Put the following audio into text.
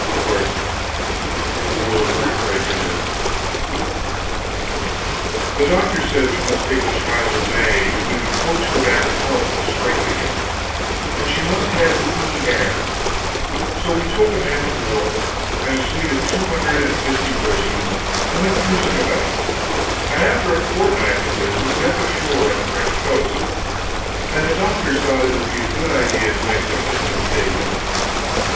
Lord, what a world of heart break it is. The doctors said we must take the child away, if we would coax her back to health and strength again. And she must have sea air. So we took a man of war, and a suite of two hundred and sixty persons, and went cruising about, and after a fortnight of this we stepped ashore on the French coast, and the doctors thought it would be a good idea to make something of a stay there.